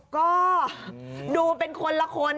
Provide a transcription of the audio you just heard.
ก็ดูเป็นคนละคน